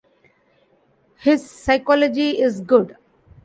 His psychology is good.